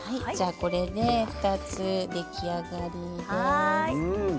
これで２つ出来上がりです。